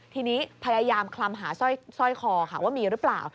ทีนี้พยายามคลำหาสร้อยคอค่ะว่ามีหรือเปล่า